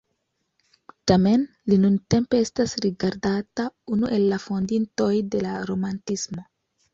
Tamen li nuntempe estas rigardata unu el la fondintoj de la romantismo.